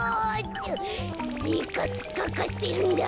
せいかつかかってるんだ。